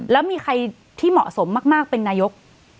แล้วมีใครที่เหมาะสมมากเป็นนายก